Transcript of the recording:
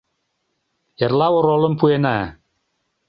Эрла оролым пуэна.